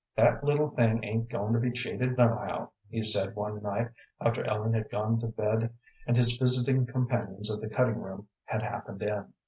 "That little thing ain't goin' to be cheated nohow," he said one night after Ellen had gone to bed and his visiting companions of the cutting room had happened in.